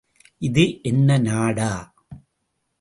இது என்ன நாடா?